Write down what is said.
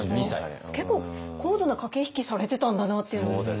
結構高度な駆け引きされてたんだなっていう。